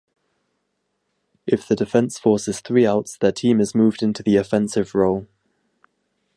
If the defense forces three outs, their team is moved into the offensive role.